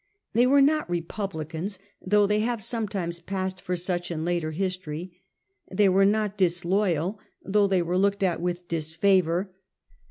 They were not republi mistrust. cans, though they have sometimes passed for such in later history. They were not disloyal, though they were looked at with disfavour.